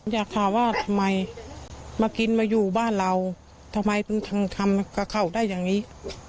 อยากถามว่าทำไมมากินมาอยู่บ้านเราทำไมถึงทำกับเขาได้อย่างนี้